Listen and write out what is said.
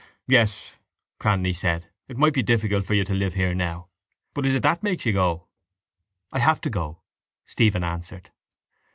—Yes, Cranly said. It might be difficult for you to live here now. But is it that makes you go? —I have to go, Stephen answered.